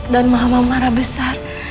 dan mama marah besar